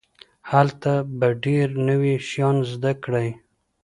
هلته به ډېر نوي شيان زده کړئ.